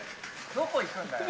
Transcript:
どこ行くんだよ。